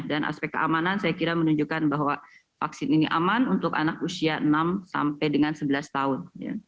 dan aspek keamanan saya kira menunjukkan bahwa vaksin ini aman untuk anak usia enam sampai dengan sebelas tahun